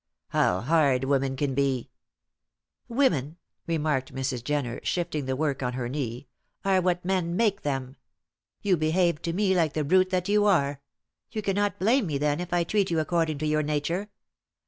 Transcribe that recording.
"How hard women can be." "Women," remarked Mrs. Jenner, shifting the work on her knee, "are what men make them. You behaved to me like the brute that you are; you cannot blame me, then, if I treat you according to your nature.